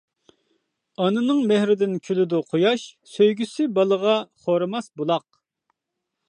ئانىنىڭ مېھرىدىن كۈلىدۇ قۇياش، سۆيگۈسى بالىغا خورىماس بۇلاق.